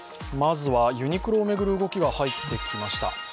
まずはユニクロを巡る動きが入ってきました。